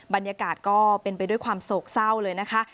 บรรยากาศก็เป็นไปด้วยความโศกเศร้าเลยนะคะ